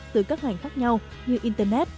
từ các ngành khác nhau như internet